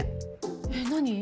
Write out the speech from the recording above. えっ何？